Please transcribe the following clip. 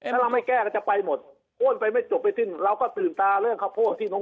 ถ้าเราไม่แก้ก็จะไปหมดอ้วนไปไม่จบไม่สิ้นเราก็ตื่นตาเรื่องข้าวโพดที่น้อง